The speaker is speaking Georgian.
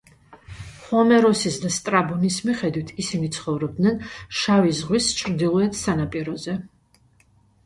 ჰომეროსის და სტრაბონის მიხედვით ისინი ცხოვრობდნენ შავი ზღვის ჩრდილოეთ სანაპიროზე.